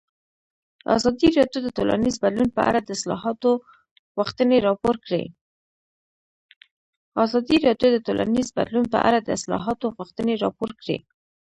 ازادي راډیو د ټولنیز بدلون په اړه د اصلاحاتو غوښتنې راپور کړې.